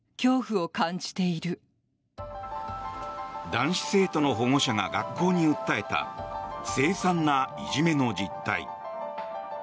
男子生徒の保護者が学校に訴えたせい惨ないじめの実態。